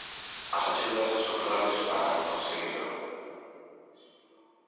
As axudas son claves para conseguilo.